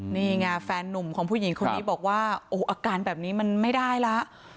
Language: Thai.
นี่ไงแฟนนุ่มของผู้หญิงคนนี้บอกว่าโอ้โหอาการแบบนี้มันไม่ได้แล้ว